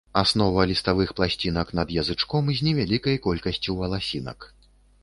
Аснова ліставых пласцінак над язычком з невялікай колькасцю валасінак.